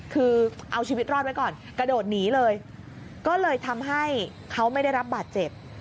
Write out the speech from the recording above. คือเอาชีวิตรอดไว้ก่อนกระโดดหนีเลยก็เลยทำให้เขาไม่ได้รับบาดเจ็บ